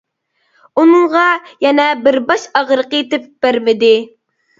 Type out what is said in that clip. ئۇنىڭغا يەنە بىر باش ئاغرىقى تېپىپ بەرمىدى.